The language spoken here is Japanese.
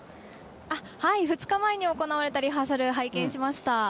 ２日前に行われたリハーサル拝見しました。